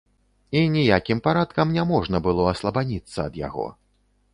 І ніякім парадкам не можна было аслабаніцца ад яго.